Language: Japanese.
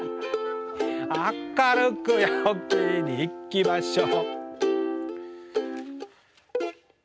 「明るく陽気にいきましょう」